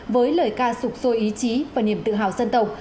với lời ca sụp sôi ý chí và niềm tự hào dân tộc